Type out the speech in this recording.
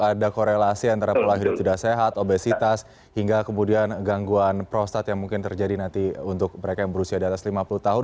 ada korelasi antara pola hidup tidak sehat obesitas hingga kemudian gangguan prostat yang mungkin terjadi nanti untuk mereka yang berusia di atas lima puluh tahun